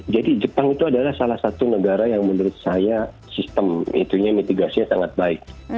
jadi jepang itu adalah salah satu negara yang menurut saya sistem mitigasinya sangat baik